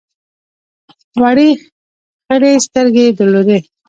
وړې خړې سترګې یې درلودې.